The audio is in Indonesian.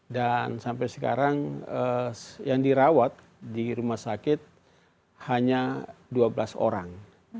dan sampai sekarang yang dirawat di rumah sakit hanya dua belas orang